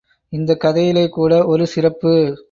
இந்தக்கதையிலே கூட ஒரு சிறப்பு.